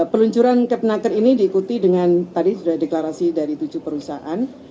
peluncuran kepnaker ini diikuti dengan tadi sudah deklarasi dari tujuh perusahaan